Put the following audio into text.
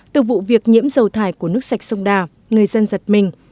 từ vụ việc nhiễm dầu thải của nước sạch sông đà người dân giật mình